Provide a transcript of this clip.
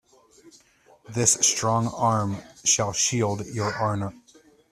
This strong arm shall shield your honor.